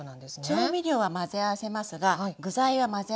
調味料は混ぜ合わせますが具材は混ぜ合わせません。